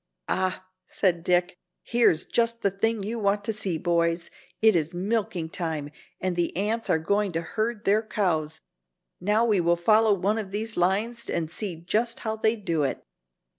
"Ah," said Dick, "here's just the thing you want to see, boys. It is milking time and the ants are going to herd their cows. Now we will follow one of these lines and see just how they do it."